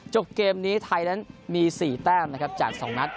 จบเกมนี้ไทยนั้นมี๔แต้มนะครับจาก๒นัด